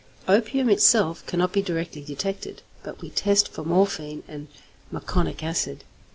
_ Opium itself cannot be directly detected, but we test for morphine and meconic acid.